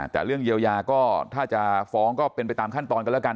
แต่เรื่องเยียวยาก็ถ้าจะฟ้องก็เป็นไปตามขั้นตอนกันแล้วกัน